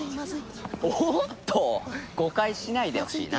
おっと！誤解しないでほしいな。